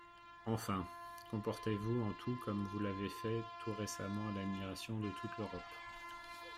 Enfin, comportez-vous en tout comme vous l'avez fait tout récemment à l'admiration de toute l'Europe.